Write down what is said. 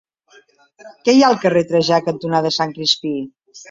Què hi ha al carrer Trajà cantonada Sant Crispí?